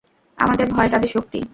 আমাদের ভয় তাদের শক্তি।